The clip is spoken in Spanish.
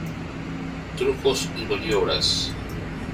Trucos y maniobras.